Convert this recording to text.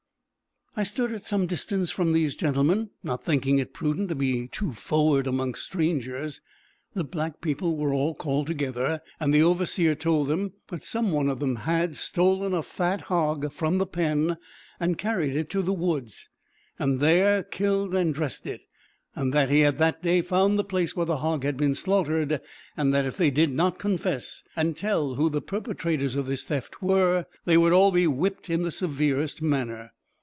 I stood at some distance from these gentlemen, not thinking it prudent to be too forward amongst strangers. The black people were all called together, and the overseer told them, that some one of them had stolen a fat hog from the pen, carried it to the woods, and there killed and dressed it; that he had that day found the place where the hog had been slaughtered, and that if they did not confess, and tell who the perpetrators of this theft were, they would all be whipped in the severest manner.